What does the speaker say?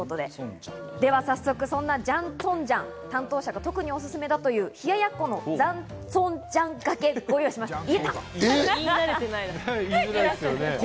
では早速、そんなジャンツォンジャン、担当者が特におすすめだという冷やっこのジャンツォンジャンがけをご用意しました。